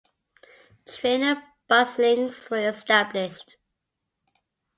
Train and bus links were established.